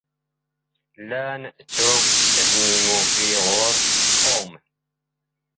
ⵍⵍⴰⵏ ⵜⵓⴳⵜ ⵏ ⵉⵎⵓⴽⵔⵉⵖⵓⵔ ⵟⵓⵎ